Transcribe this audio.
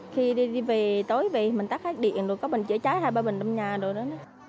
khi đi về tối về mình tắt hết điện rồi có bình chữa cháy hay bình đâm nhà rồi đó